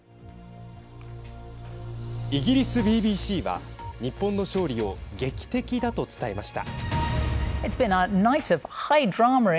イギリスＢＢＣは日本の勝利を劇的だと伝えました。